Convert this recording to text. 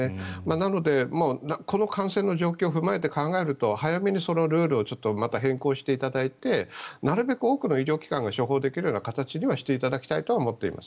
なので、この感染の状況を踏まえて考えると早めにそのルールを変更していただいてなるべく多くの医療機関が処方できる形にはしていただきたいと思っています。